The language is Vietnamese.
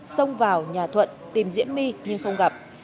xông vào nhà thuận tìm diễm my nhưng không gặp